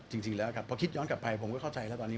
จริงแล้วครับพอคิดย้อนกลับไปผมก็เข้าใจแล้วตอนนี้